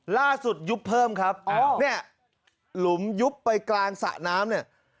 ยุบเพิ่มครับเนี่ยหลุมยุบไปกลางสระน้ำเนี่ย